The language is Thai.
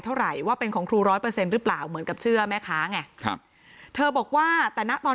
เท่าไหร่ว่าเป็นของครูร้อยเปอร์เซ็นต์หรือเปล่าเหมือนกับเชื่อแม่ค้าไงครับเธอบอกว่าแต่นะตอน